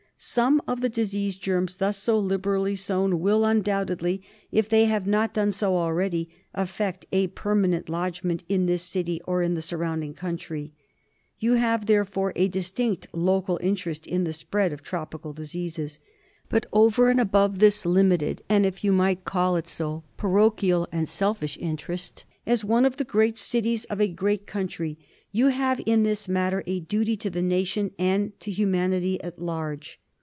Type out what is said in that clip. Some of the disease germs thus so liberally sown will undoubtedly, if they have not done so already, effect a permanent lodgment in this city or in the surrounding country. You have, therefore, a distinct local interest in the subject of tropical diseases. But over and above this limited, and, if I might call it so, parochial and selfish interest, as one of the great cities of a great country you have in this matter a duty to the nation and to humanity at large.